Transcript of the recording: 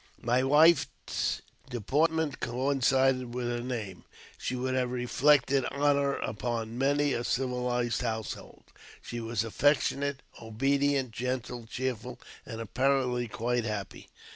My wife's deportment coincided with her name ; she would have reflected honour upon many a civilized household. She was affectionate, obedient, gentle, cheerful, and, apparently, quite happy.